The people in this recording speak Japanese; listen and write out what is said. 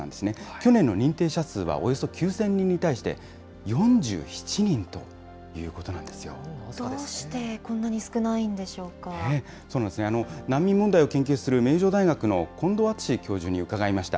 去年の認定者数はおよそ９０００人に対して、４７人ということなどうしてこんなに少ないんで難民問題を研究する、名城大学の近藤敦教授に伺いました。